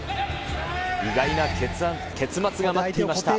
意外な結末が待っていました。